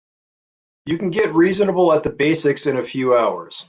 You can get reasonable at the basics in a few hours.